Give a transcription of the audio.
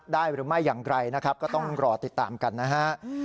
หรือไม่อย่างไรนะครับก็ต้องรอติดตามกันนะฮะ